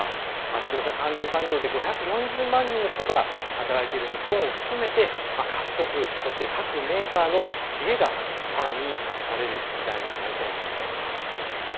自動車関連産業で５４０万人の人が働いている日本を含めて、各国そして各メーカーの知恵がさらに試される時代になりそうですよね。